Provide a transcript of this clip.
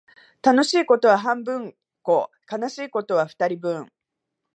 楽しいことは半分こ、悲しいことは二人分